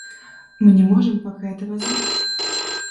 Мы не можем пока этого знать.